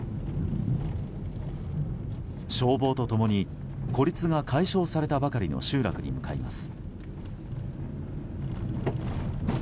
消防と共に孤立が解消されたばかりの集落に向かいます。